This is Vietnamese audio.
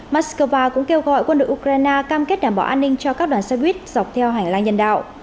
moscow cũng kêu gọi quân đội ukraine cam kết đảm bảo an ninh cho các đoàn xe buýt dọc theo hành lang nhân đạo